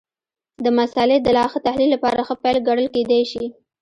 د مسألې د لا ښه تحلیل لپاره ښه پیل ګڼل کېدای شي.